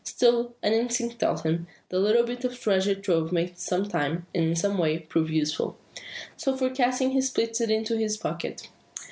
Still, an instinct tells him, the little bit of treasure trove may some time, and in some way, prove useful. So forecasting, he slips it into his pocket.